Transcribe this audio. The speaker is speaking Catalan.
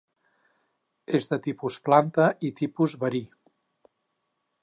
És de tipus planta i tipus verí.